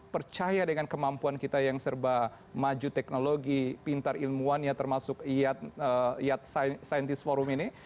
percaya dengan kemampuan kita yang serba maju teknologi pintar ilmuwan ya termasuk yat scientist forum ini